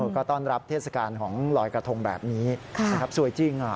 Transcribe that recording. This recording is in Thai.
ก็ต้อนรับเทศกาลของลอยกระทงแบบนี้นะครับสวยจริง